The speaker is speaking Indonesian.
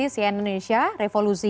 selama berjalan marc